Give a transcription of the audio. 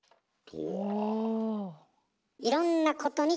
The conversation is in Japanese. お。